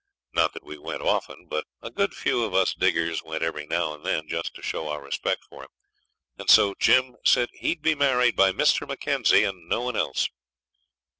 Not that we went often, but a good few of us diggers went every now and then just to show our respect for him; and so Jim said he'd be married by Mr. Mackenzie and no one else.